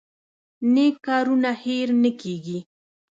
نیک کارونه هیر نه کیږي